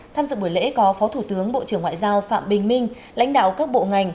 tham dự buổi lễ có phó thủ tướng bộ trưởng ngoại giao phạm bình minh lãnh đạo các bộ ngành